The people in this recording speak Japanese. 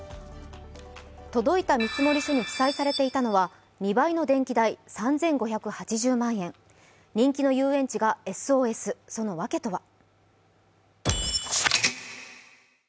届いた見積書に記載されていたのは２倍の電気代、３５８０万円人気の遊園地がＳＯＳ、そのわけとは？